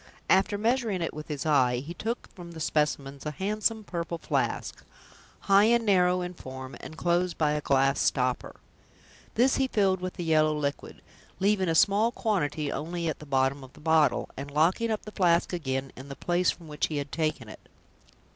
After measuring it with his eye, he took from the specimens a handsome purple flask, high and narrow in form, and closed by a glass stopper. This he filled with the yellow liquid, leaving a small quantity only at the bottom of the bottle, and locking up the flask again in the place from which he had taken it.